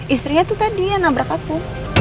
istrinya itu tadi yang nabrak aku